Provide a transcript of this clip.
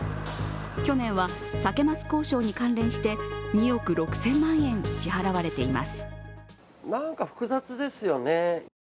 去年は、さけ・ます交渉に関連して２億６０００万円、支払われています。